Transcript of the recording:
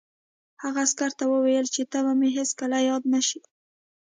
هغه عسکر ته وویل چې ته به مې هېڅکله یاد نه شې